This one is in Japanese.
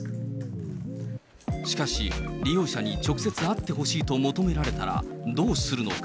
しかし利用者に直接会ってほしいと求められたら、どうするのか。